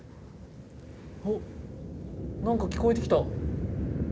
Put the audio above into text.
おっなんか聞こえてきた。